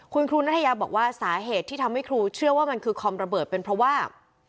คุณครูนัทยาบอกว่าสาเหตุที่ทำให้ครูเชื่อว่ามันคือคอมระเบิดเป็นเพราะว่า